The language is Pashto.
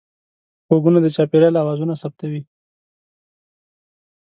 غوږونه د چاپېریال اوازونه ثبتوي